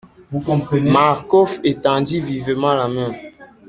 Marcof étendit vivement la main.